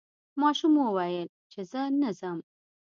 ماشوم وویل چې زه نه ځم.